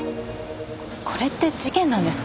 これって事件なんですか？